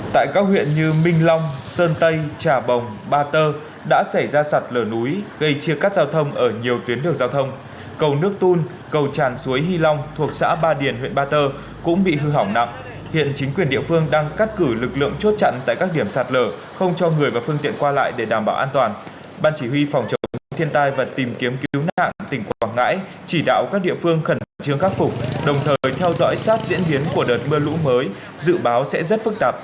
tại các huyện như minh long sơn tây trà bồng ba tơ đã xảy ra sạt lở núi gây chia cắt giao thông ở nhiều tuyến đường giao thông cầu nước tun cầu tràn suối hy long thuộc xã ba điền huyện ba tơ cũng bị hư hỏng nặng hiện chính quyền địa phương đang cắt cử lực lượng chốt chặn tại các điểm sạt lở không cho người và phương tiện qua lại để đảm bảo an toàn ban chỉ huy phòng chống thiên tai và tìm kiếm cứu nạn tình quảng ngãi chỉ đạo các địa phương khẩn trương khắc phục đồng thời theo dõi sát diễn biến của đợt mưa lũ mới d